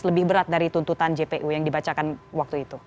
lebih berat dari tuntutan jpu yang dibacakan waktu itu